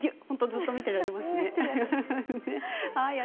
ずっと見ていられますね。